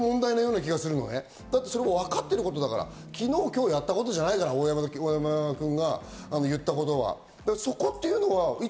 それはわかってることだから、昨日今日やったことじゃないから、小山田君が言ったことは。